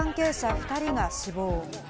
２人が死亡。